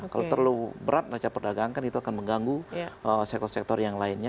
kalau terlalu berat neraca perdagangan kan itu akan mengganggu sektor sektor yang lainnya